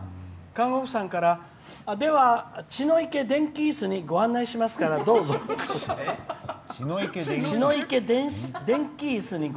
看護婦さんからでは、血の池電気いすにご案内しますからどうぞって。